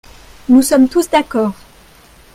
Nous sommes tous d’accord.